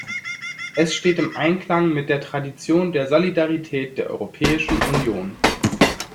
Es steht im Einklang mit der Tradition der Solidarität der Europäischen Union.